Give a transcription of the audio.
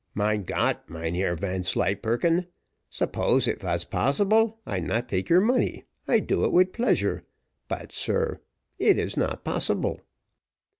"Mein Gott, Mynheer Vanslyperken! suppose it vas possible, I not take your money, I do it wid pleasure; but, sir, it not possible."